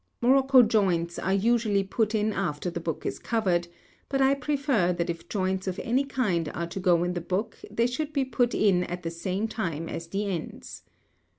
Morocco joints are usually put in after the book is covered, but I prefer that if joints of any kind are to go in the book they should be put in at the same time as the ends.